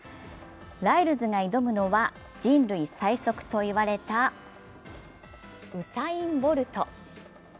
ライルズが挑むのは人類最速といわれたウサイン・ボルト。